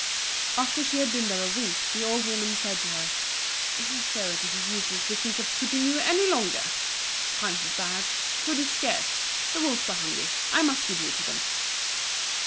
After she had been there a week the old woman said to her, "I fear it is useless to think of keeping you any longer! Times are bad food is scarce. The wolves are hungry I must give you to them."